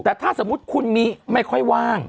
แต่ถ้าสมมุติคุณมีไม่ค่อยว่าง